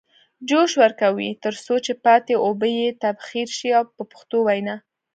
جوش ورکوي تر څو چې پاتې اوبه یې تبخیر شي په پښتو وینا.